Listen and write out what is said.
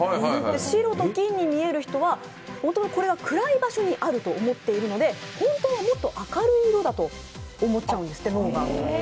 白と金に見える人は、元々これは暗い場所にあると思っているので本当はもっと明るい色だと脳が思っちゃうんですって。